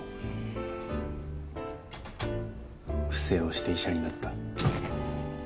不正をして医者になった。